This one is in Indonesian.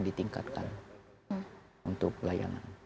ditingkatkan untuk pelayanan